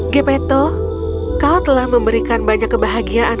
gepetto kau telah memberikan banyak kebahagiaan